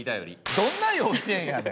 どんな幼稚園やねん！